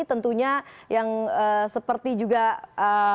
tentunya yang seperti juga pak dika